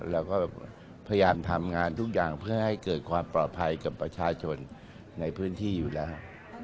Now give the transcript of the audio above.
เราก็พยายามทำงานทุกอย่างเพื่อให้เกิดความปลอดภัยกับประชาชนในพื้นที่อยู่แล้ว